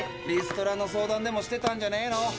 リストラの相談でもしてたんじゃねえの。